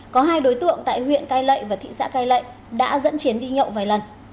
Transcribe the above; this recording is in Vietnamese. có hai đối tượng tại huyện cai lệ và thị xã cai lệ đã dẫn chiến đi nhậu vài lần